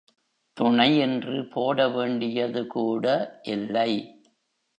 துணை என்று போட வேண்டியதுகூட இல்லை.